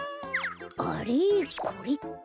あれこれって？